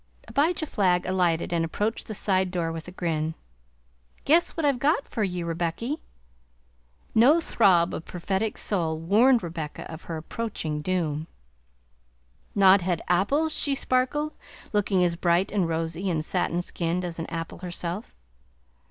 Abijah Flagg alighted and approached the side door with a grin. "Guess what I've got for ye, Rebecky?" No throb of prophetic soul warned Rebecca of her approaching doom. "Nodhead apples?" she sparkled, looking as bright and rosy and satin skinned as an apple herself.